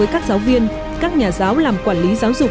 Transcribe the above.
các giáo viên các nhà giáo làm quản lý giáo dục